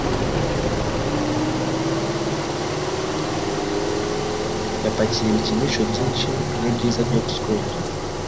Yapakiye ibikinisho byinshi nibyiza byo guswera